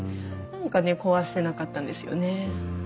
何かね壊せなかったんですよねえ。